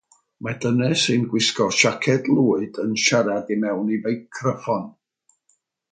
Mae dynes sy'n gwisgo siaced lwyd yn siarad i mewn i feicroffon.